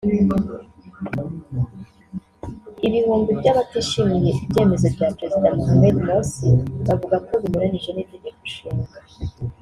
Ibihumbi by’abatishimiye ibyemezo bya Perezida Mohammed Morsi bavuga ko binyuranyije n’itegekonshinga